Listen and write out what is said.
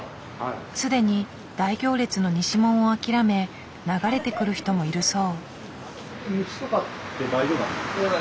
既に大行列の西門を諦め流れてくる人もいるそう。